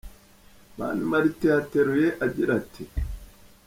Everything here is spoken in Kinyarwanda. Mani Martin yateruye agira ati :.